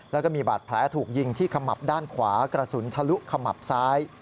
แล้วก็มีบาดแผลถูกยิงที่ขมับด้านขวากระสุนทะลุขมับซ้าย